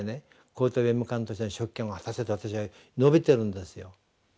高等弁務官としての職権を果たせと私は述べてるんですよ。